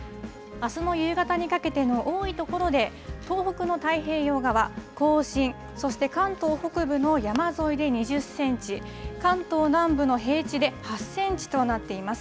あすの夕方にかけての多い所で東北の太平洋側、甲信、そして関東北部の山沿いで２０センチ、関東南部の平地で８センチとなっています。